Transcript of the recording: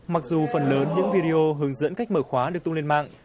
mặc dù phần lớn những video hướng dẫn cách mở khóa được tung lên mạng